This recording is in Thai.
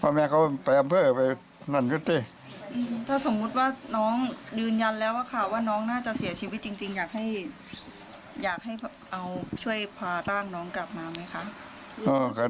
ยากให้อยากให้เอาช่วยพาร่างน้องกลับมาไหมคะ